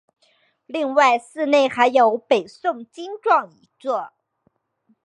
另外寺内还有北宋经幢一座。